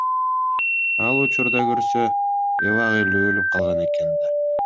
Ал учурда көрсө эбак эле өлүп калган экен да.